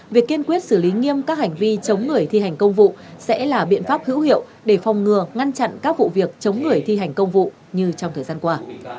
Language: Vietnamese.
việc kiên quyết xử lý nghiêm các hành vi chống người thi hành công vụ sẽ là biện pháp hữu hiệu để phòng ngừa ngăn chặn các vụ việc chống người thi hành công vụ như trong thời gian qua